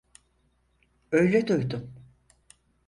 Öyle duydum.